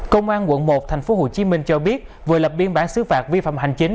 công an quận một tp hcm cho biết vừa lập biên bản xứ phạt vi phạm hành chính